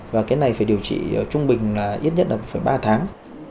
và cái này phải điều trị trung bình là ít nhất là một ba tháng